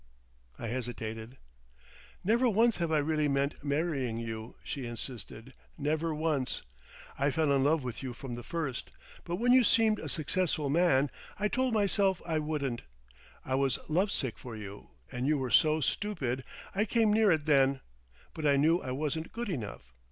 I hesitated. "Never once have I really meant marrying you," she insisted. "Never once. I fell in love with you from the first. But when you seemed a successful man, I told myself I wouldn't. I was love sick for you, and you were so stupid, I came near it then. But I knew I wasn't good enough.